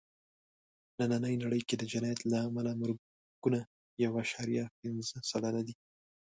نننۍ نړۍ کې د جنایت له امله مرګونه یو عشاریه پینځه سلنه دي.